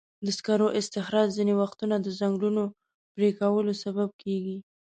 د سکرو استخراج ځینې وختونه د ځنګلونو پرېکولو سبب کېږي.